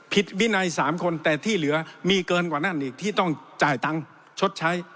วินัย๓คนแต่ที่เหลือมีเกินกว่านั้นอีกที่ต้องจ่ายตังค์ชดใช้